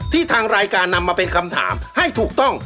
ทางรายการนำมาเป็นคำถามให้ถูกต้อง